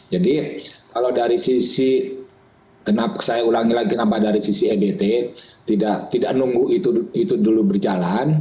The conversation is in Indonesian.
jadi kalau dari sisi saya ulangi lagi kenapa dari sisi ebt tidak nunggu itu dulu berjalan